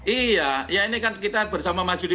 iya ya ini kan kita bersama mas yudi